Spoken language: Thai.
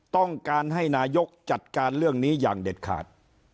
ต้องการให้นายกจัดการเรื่องนี้อย่างเด็ดขาด